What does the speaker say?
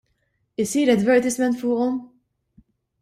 Isir advertisement fuqhom?